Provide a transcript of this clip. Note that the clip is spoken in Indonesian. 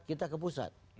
kita ke pusat